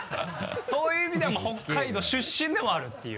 そういう意味では北海道出身でもあるっていう。